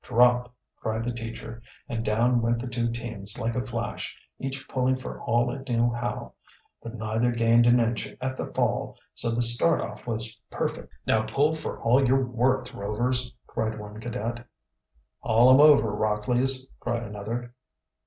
"Drop!" cried the teacher, and down went the two teams like a flash, each pulling for all it knew how. But neither gained an inch at the fall, so the start off was perfect. "Now pull for all you're worth, Rovers!" cried one cadet. "Haul 'em over, Rockleys!" cried another.